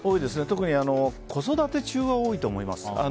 特に子育て中は多いと思います。